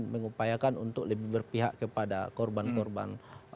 mengupayakan untuk lebih berpihak kepada korban korban